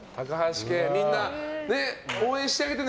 みんなで応援してあげてね！